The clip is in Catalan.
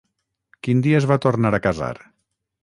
Quin dia es va tornar a casar?